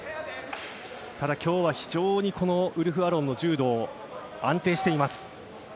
ただ今日は非常にウルフ・アロンの柔道安定しています。